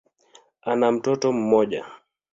Ana mtoto mmoja.